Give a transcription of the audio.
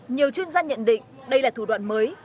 nhiều chuyên gia nhận định đây là thủ đoạn mới